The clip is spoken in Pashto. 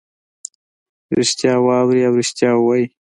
ریښتیا واوري او ریښتیا ووایي.